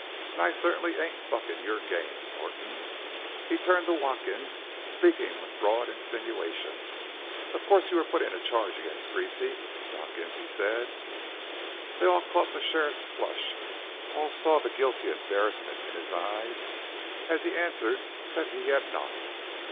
"And I certainly ain't bucking your game, Norton." He turned to Watkins, speaking with broad insinuation: "Of course you are putting a charge against Greasy, Watkins?" he said. They all caught the sheriff's flush; all saw the guilty embarrassment in his eyes as he answered that he had not.